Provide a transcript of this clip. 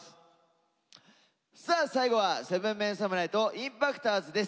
さあ最後は７ＭＥＮ侍とＩＭＰＡＣＴｏｒｓです。